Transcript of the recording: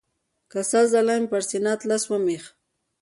که سل ځله مې پر سینه اطلس ومیښ.